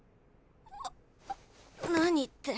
あ何って。